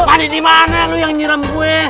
mandi dimana lu yang nyiram gue